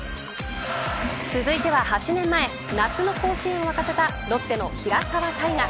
続いては８年前夏の甲子園を沸かせたロッテの平沢大河。